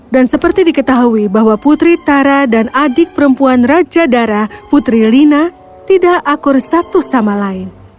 dan seperti diketahui bahwa putri tara dan adik perempuan raja dara putri lina tidak akur satu sama lain